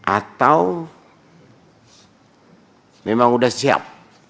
atau memang sudah siap